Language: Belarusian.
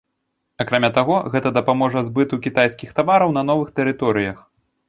Акрамя таго, гэта дапаможа збыту кітайскіх тавараў на новых тэрыторыях.